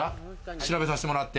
調べさせてもらって。